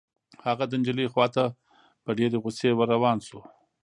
هغه د نجلۍ خوا ته په ډېرې غصې ور روان شو.